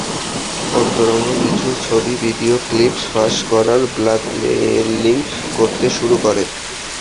অন্তরঙ্গ কিছু ছবি, ভিডিও ক্লিপস ফাঁস করার ব্ল্যাকমেলিং করতে শুরু করে।